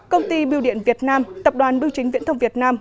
công ty biêu điện việt nam tập đoàn bưu chính viễn thông việt nam